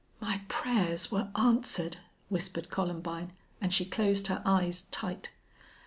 "My prayers were answered!" whispered Columbine, and she closed her eyes tight.